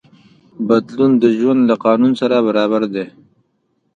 بدلون د ژوند له قانون سره برابر دی.